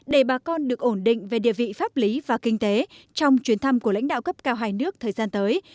để bà con được ổn định về địa vị pháp lý và kinh tế trong chuyến thăm của lãnh đạo cấp cao hai nước thời gian tới